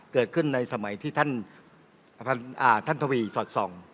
เกิดขึ้นในสมัยที่ท่านอ่าท่านทวีร์ศรดส่อง